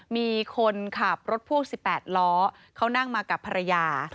มีคนขับรถพ่วง๑๘ล้อเขานั่งมากับภรรยา